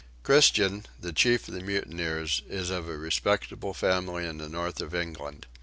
Christian the chief of the mutineers is of a respectable family in the north of England.